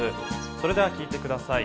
それでは聴いてください。